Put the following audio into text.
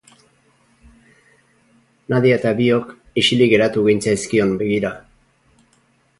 Nadia eta biok isilik geratu gintzaizkion begira.